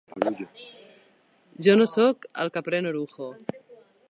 Jo no sóc el que pren orujo.